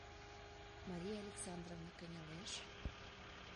Мария Александровна кынелеш.